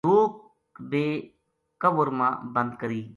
بندوق بے کور ما بند کری۔